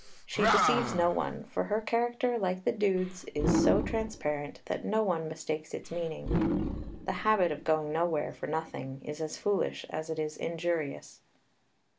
She deceives no one, for her character, like the dude's, is so transparent that no one mistakes its meaning. The habit of going nowhere for nothing is as foolish as it is injurious.